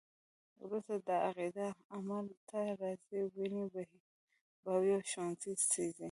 وروسته دا عقیده عمل ته راځي، وینې بهوي او ښوونځي سیزي.